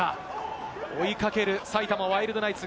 追いかける埼玉ワイルドナイツ。